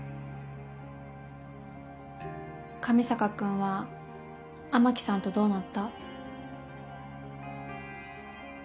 上坂君は雨樹さんとどうなった？